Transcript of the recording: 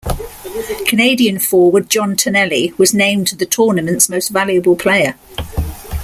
Canadian forward John Tonelli was named the tournament's most valuable player.